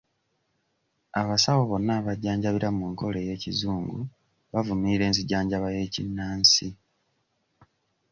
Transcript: Abasawo bonna abajjanjabira mu nkola ey'ekizungu bavumirira enzijanjaba y'ekinnansi.